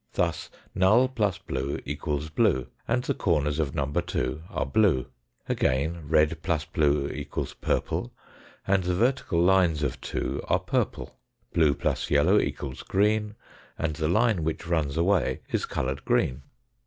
Thus null + blue = blue, and the corners of number 2 are blue. Again, red f blue = purple, and the vertical lines of 2 are purple. Blue + yellow = green, and the line which runs away is coloured green.